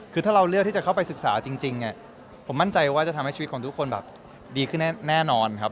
คือถ้าเราเลือกที่จะเข้าไปศึกษาจริงผมมั่นใจว่าจะทำให้ชีวิตของทุกคนแบบดีขึ้นแน่นอนครับ